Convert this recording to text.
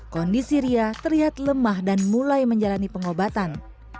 kondisi ria terlihat lemah dan mulai menjalani pengobatan